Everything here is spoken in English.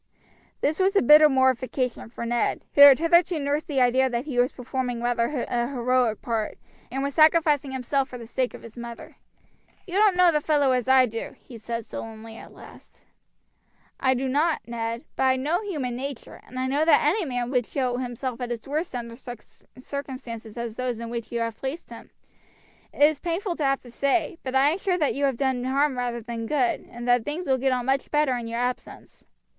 This was a bitter mortification for Ned, who had hitherto nursed the idea that he was performing rather a heroic part, and was sacrificing himself for the sake of his mother. "You don't know the fellow as I do," he said sullenly at last. "I do not, Ned; but I know human nature, and I know that any man would show himself at his worst under such circumstances as those in which you hare placed him. It is painful to have to say, but I am sure that you have done harm rather than good, and that things will get on much better in your absence."